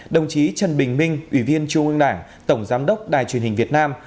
đồng chí trần bình minh ủy viên trung ương đảng tổng giám đốc đài truyền hình việt nam